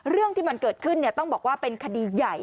เรื่องที่มันเกิดขึ้นต้องบอกว่าเป็นคดีใหญ่